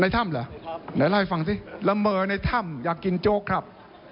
ในทำระเหล่าให้ฟังสิลำเมอในทำอยากกินจกครับ